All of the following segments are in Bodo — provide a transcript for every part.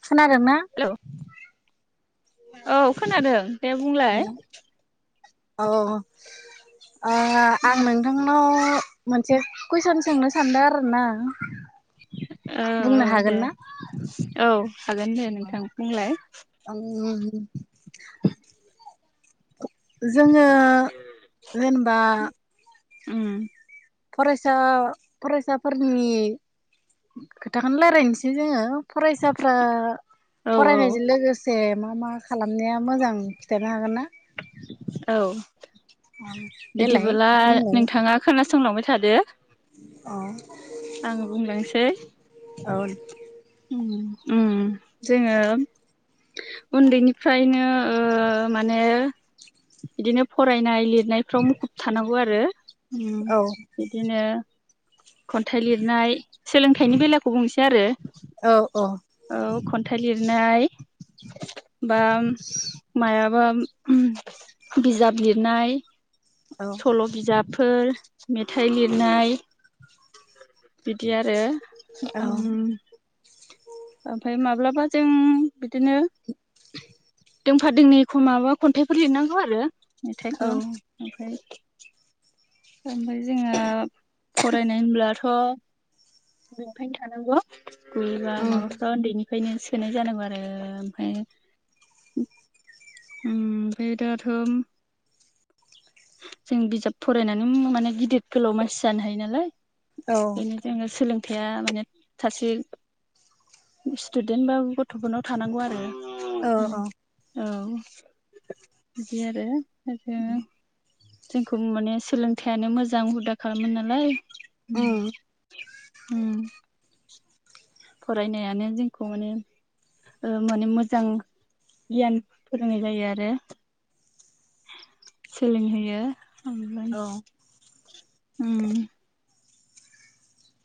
[inaudible] खोनादों ना हेलौ औ खोनादों दे बुंलाय औ औ औ ओ उम आं नोंथांनाव मोनसे कुइसन सोंनो सानदों आरो ना औ औ दे औ हागोन दे नोंथां बुंलाय ओम जोङो जेनेबा उम फरायसा फरायसाफोरनि खोथाखौनो रायलायनोसै जोङो फरायसाफ्रा औ औ फरायनायजों लोगोसे मा मा खालामनाया मोजां खिथानो हागोन ना औ देलाय बिदिबोला बुंलाय नोंथाङा खोना संलांबाय थादो औ आं बुंलांनोसै औ उम उम जोङो उन्दैनिफ्रायनो ओ माने बिदिनो फरायनाय लिरनाय फ्राव मुखुब थानांगौ आरो उम औ बिदिनो खन्थाइ लिरनाय सोलोंथाइनि बेलाखौ बुंनोसै आरो औ औ औ खन्थाइ लिर नाय बा माया बा बिजाब लिरनाय औ सल बिजाब फोर मेथाइ लिरनाय बिदि आरो औ उम ओमफ्राय माब्लाबा जों बिदिनो दोंफा दोंनैखौ माबा खन्थाइफोर लिरनांगौ आरो औ मेथाइखौ ओमफ्राय [inaudible] ओमफ्राय जोंहा फरायनाय होनब्ला अ [unintelligible] [unintelligible] उन्दैनिफ्रायनो [unintelligible] आरो ओमफ्राय उम [unintelligible] जों बिजाब फरायनानै माने गिदिर गोलाव मानसि जानो हायो नालाय बेनो जोङो सोलों थाइया माने सासे स्टुदेन्ट बा गथफोरनाव थानांगौ आरो औ औ औ बिदि आरो आरो जोंखौ माने सोलोंथाइयानो मोजां हुदा खालामो नालाय उम उम फरायनायानो जोंखौ माने ओ माने मोजां गियान फोरोंनाय जायो आरो सोलोंहोयो औ [unintelligible] ओम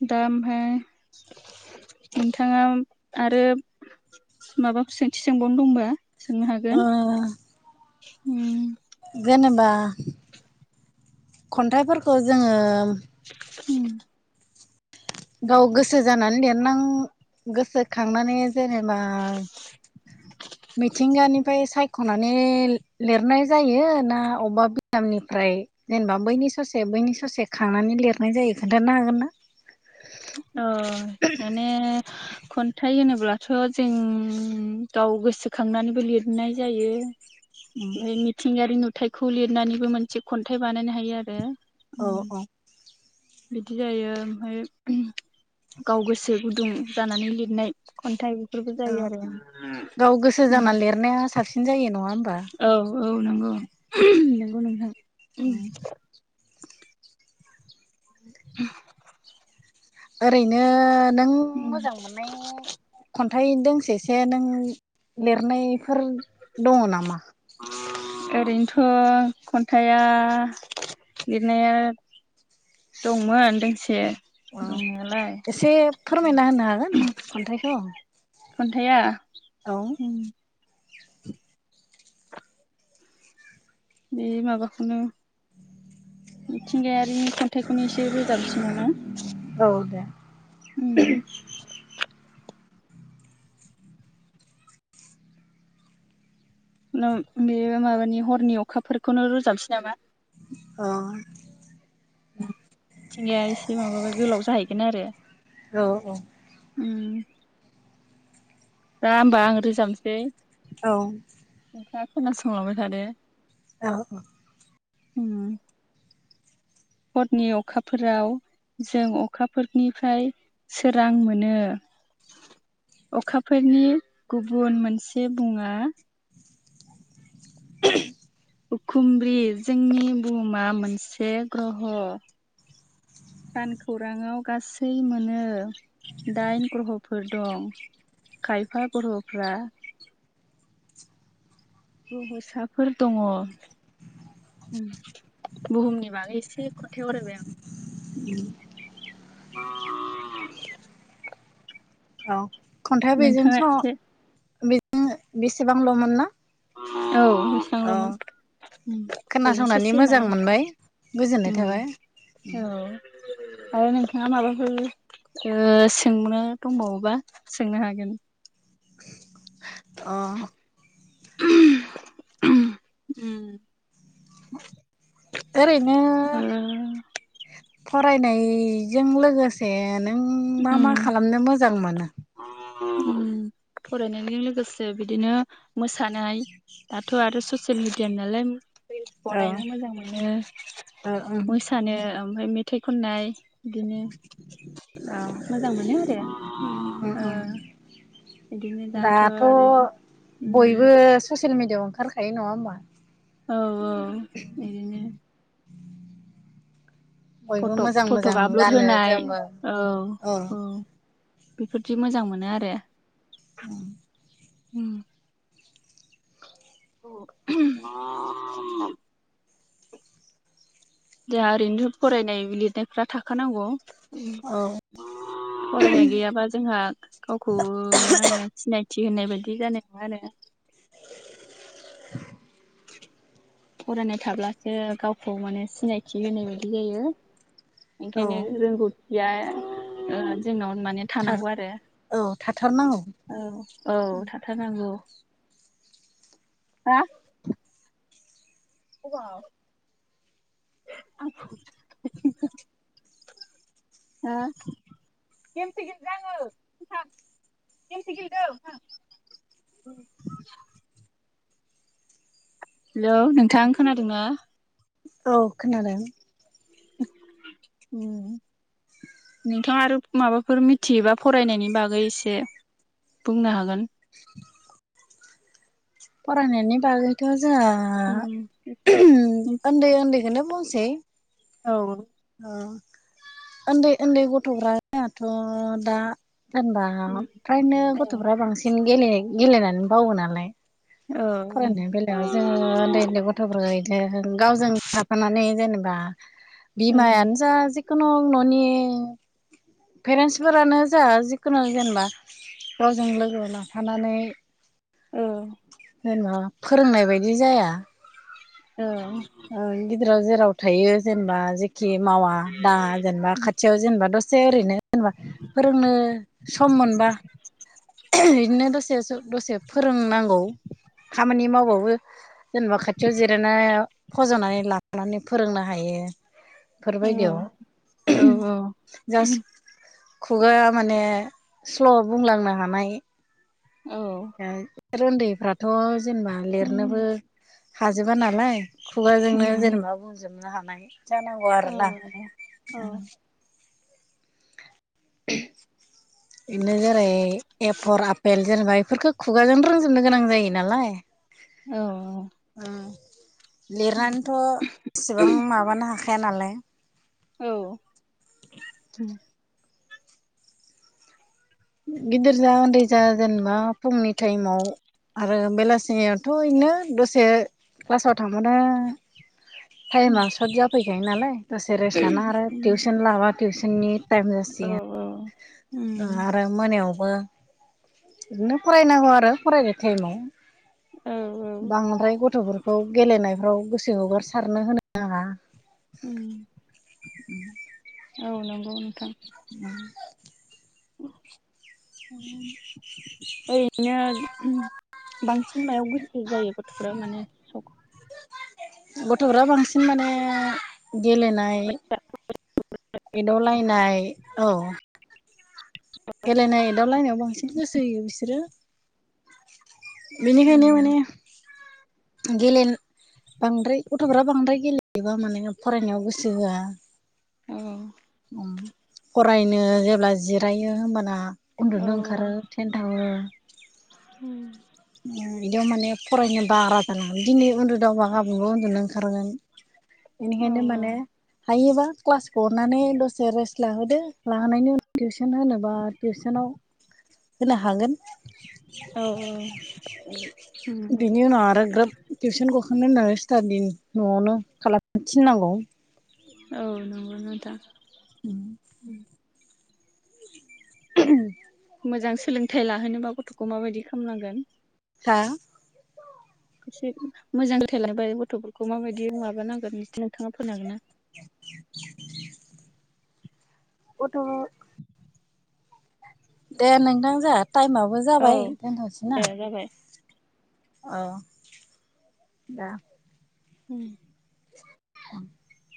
दा ओमफाय नोंथाङा आरो माबाखौ सोंथि सोंबावनो दंबा सोंनो हागोन ओ हम जेनेबा खन्थाइफोरखौ जोङो हम गाव गोसो जानानै लिर नां गोसोखांनानै जेनेबा मिथिंगानिफ्राय सायख'नानै लिरनाय जायो ना अबेबा बिदामनिफ्राय जेनेबा बैनि ससे बैनि ससे खांनानै लिरनाय जायो खोन्थानो हागोन ना अ माने खन्थाइ होनोब्ला अब्लाथ' जों गाव गोसोखांनानैबो लिरनाय जायो बे मिथिंगारि नु थाइखौ लिरनानैबो मोनसे खन्थाइ बानायनो हायो आरो औ औ बिदि जायो ओमफाय गाव गोसो गुदुं जानानै लिरनाय खन्थाइ बेफोरबो औ जायो आरो गाव गोसो जा लिरनाया साबसिन जायो नङा होमबा औ औ नंगौ नंगौ नोंथां ओम [inaudible] ओरैनो नों मोजां मोननाय खन न्थाइ दोंसेसो नों लिरनायफोर दङ नामा? ओरैनोथ' खन्थाइया लिरनाया दंमोन दोंसे औ दंनायालाय एसे फोरमायना होनो हागोन खन्थाइखौ खन्थाया औ [inaudible] बे माबाखौनो मिथिंगायारिनि खन्थाइखौनो एसे रोजाबनोसै नामा औ दे ओं नोम बेयो माबानि हरनि अखाफोरखौनो रोजाबसै नामा औ मिथिंगाया एसे माबाबा गोलाव जाहैगोन आरो औ औ ओम दा होमबा आं रोजाबसै दे औ नोंथाङा खोनासंलांबाय थादो औ औ ओम हरनि अखाफोराव जों अखाफोरनिफ्राय सोरां मोनो अखाफोरनि गुबुन मोनसे मुङा उखुमब्रि जोंनि बुहुमा मोनसे ग्रह सान खौराङाव गासै मोनो दाइन ग्रहफोर दं खायफा ग्रहफोरा ग्रह'साफोर दङ ओं बुहुमनि बागै एसे खन्थाय आवरायबाय आं ओम [inaudible] औ खन्थाइ बेजों नोंथाङा एसे स बे ओं बेसेबांल'मोन ना औ अ बेसांल'मोन ओरैनो खोनासंनानै सासे मोजां माने मोनबाय गोजोननाय थाबाय ओम औ आरो नोंथाङा माबाफोर ओ सोंनो दंबावोबा सोंनो हागोन ओ [inaudible] ओम ओरैनो ओ फरायनायजों लोगोसेनो नों मा मा उम खालामनो मोजां मोनो? फरायनायजों लोगोसे बिदिनो मोसानाय दाथ' आरो ससियेल मिडिया नालाय रिलस औ बनायनो मोजां मोनो औ मोसानो ओमफ्राय मे थाइ खननाय बिदिनो औ मोजां मोनो आरो उम उम बिदिनो दाथ आरो उम बयबो ससियेल मिडिया ओंखारखायो नङा होमबा औ औ बिदिनो बयबो फटक मोजां मोजां फटक आपलड गानो होनाय जोमो औ औ बेफोरदि मोजां मोनो आरो [inaudible] ओम [inaudible] जोंहा ओरैनोथ फरायनाय लिरनायफ्रा थाखानांगौ औ फरायनाय गैयाबा जोंहा गावखौ मा होनो सिनायथि बि होननाय बायदि जानाय नङा आरो। [inaudible] फरायनाय थाब्लासो गावखौ माने सिनायथि होनाय बायदि जायो। ओंखायनो रोंगौथिया। जोंनाव। माने थार थानांगौ आरो औ थाथारनांगौ औ औ थाथारनांगौ हा। [unintelligible] हो गेमसो गेलदों आङो गेमसो गेलदों हेलौ नोंथां खोनादोंना। औ खोनादों। उम नोंथाङा आरो माबाफोर मिथियोबा फरायनायनि बागै एसे बुंनो हागोन। [inaudible] फरायनायनि बागैथ जों उन्दै उन्दैखौनो बुंसै औ‌। ओ उन्दै उन्दै गथ'फ्राथ जोंहाथ' दा जेनेबा फ्रायनो गथ'फ्रा बांसिन गेल गेलेनानै बावो नालाय औ फरायनाय बेलायाव जोङो उन्दै उन्दै गथ'फोरा बिदि गावजों थाफानानै जेनेबा बा। बिमायानो जा। जिखुनु ननि पेरेन्टसफोरानो जा जिखुनु जेनेबा गावजों लोगो लाफानानै औ। जेनेबा फोरोंनाय बायदि जाया औ। गेराव जेराव थायो जेनेबा खि मावा दाङा जेनेबा खाथियाव जेनेबा दस दसे ओरैनो जेनेबा फोरोंनो सम मोनबा बिदिनो दसे दसे फोरोंनांगौ खामानि मावबावो जेनेबा खाथियाव जिरायनाय फज'नानै लाबानानै फोरोंनो हायो। औ बेफोरबायदियाव औ औ। खुगाया माने स्ल' बुंलांनो हानाय। औ। आरन्दैफ्रा थ' जेनेबा लिरनोबो हाजोबा नालाय खुगाजोंनो उम जेनेबा बुंजोबनो हा नाय जानांगौ औ आरोना। औ उम। बेनो जेरै एपर आपेल जेनेबा इफोरखौ खुगाजों रोंजोबनो गोनां जायो नालाय औ औ। [inaudible] उम लिरनानैथ' एसेबां माबानो हा खाया नालाय। औ उम। गिदिर जा उन्दै जा जेनेबा फुंनि टायेमाव आरो बेलासिनियावथ' बिदिनो दसे क्लासाव थांबानो टायेमा सर्ट जाफैखायो नालाय दसे रेस्ट लाना आरो टिउसन लाबा टिउसननि टायेम जासिगोन। औ ओ मोनायावबो बिदिनो फरायनांगौ आरो फरायनाय टायेमाव। बांद्राय गथ'फोरखौ गेलेनायफ्राव गोसो हगारसारनो होनो नाङा। उम। [inaudible] औ नोंगौ नोंथां। [inaudible] ओ रैनो बिदिनो बांसिन मायाव गोसो जायो गथ'फोरा माने? सख गथ'फोरा बांसिन माने गेलेनाय एदावलायनाय औ गेलेनाय एदावलायनायाव बांसिन गोसो होयो बिसोरो। बिनिखायनो माने औ गेले बांद्राय गथ'फोरा बांद्राय गेलेयोबा माने फरायनायाव गोसो होआ। औ। फरायनो जेब्ला जिरायो होमबाना औ उन्दुनो ओंखारो थेनथ'ओ उम। बिदियाव माने फरायनो बाग्रा जानांगोन दिनै उन्दुदावबा गाबोनबो उन्दुनो ओंखारगोन। औ इनिखायनो माने हायोबा क्लासखौ गनानै दसे रेस्ट लाहोदो लाहोनायनि उनाव टिउसन होनोबा टिउसनाव होनो हागोन। औ नंगौ बिनि उनाव आरो ग्रोब टिउसन गखां बेनो होननानै स्टाडि न'आवनो खालाम थिननांगौ औ नंगौ नोंथां उम [inaudible] मोजां सोलोंथाइ लाहोनोबा गथ'खौ माबायदि खालामनांगोन? हा एसे मोजां रोंथाइ लायोबा गथ'फोरखौ माबायदि माबानांगोन बिदि नोंथाङा फोन हागोन ना? [inaudible] गथ' [inaudible] दे नोंथां जोंहा टाइमाबो हागोन ना औ जाबाय दोनथ'सै ना दे जाबाय औ दा उम औ